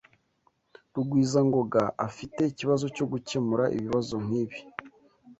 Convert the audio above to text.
Rugwizangoga afite ikibazo cyo gukemura ibibazo nkibi.